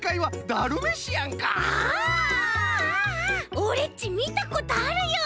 オレっちみたことあるよ！